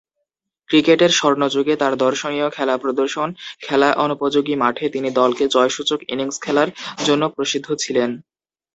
ক্রিকেটের স্বর্ণযুগে তার দর্শনীয় খেলা প্রদর্শন, খেলা অনুপযোগী মাঠে তিনি দলকে জয়সূচক ইনিংস খেলার জন্য প্রসিদ্ধ ছিলেন।